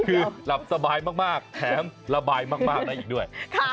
คือหลับสบายมากแถมระบายมากนะอีกด้วย